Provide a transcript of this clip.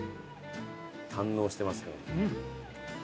堪能してますね。